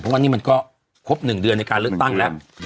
เพราะว่านี่มันก็ครบ๑เดือนในการเลือกตั้งแล้ว